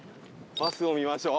バスを見ましょう。